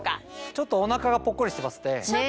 ちょっとお腹がぽっこりしてますね。